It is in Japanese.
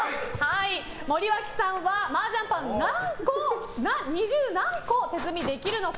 森脇さんはマージャン牌二十何個手積みできるのか。